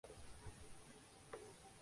Film کے producer Aditya Chopra ہیں۔